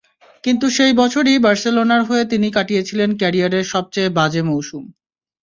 কিন্তু সেই বছরই বার্সেলোনার হয়ে তিনি কাটিয়েছিলেন ক্যারিয়ারের সবচেয়ে বাজে মৌসুম।